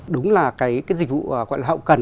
đúng là cái dịch vụ gọi là hậu cần